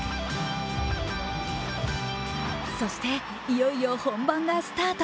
そしていよいよ本番がスタート。